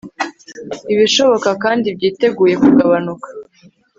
ibishoboka kandi byiteguye kugabanuka